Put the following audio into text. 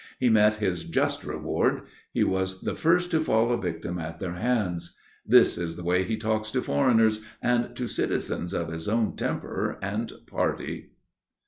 He met his just reward,—he was the first to fall a victim at their hands." This is the way he talks to foreigners and to citizens of his own temper and party.